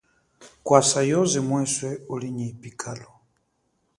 Kwasa yoze mweswe uli nyi yipikalo.